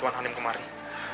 tuan hanim kemarin